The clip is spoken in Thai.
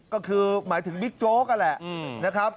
ก็คือหมายถึงบิ๊กโจ๊กนั่นแหละนะครับ